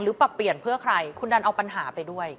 ปรับเปลี่ยนเพื่อใครคุณดันเอาปัญหาไปด้วย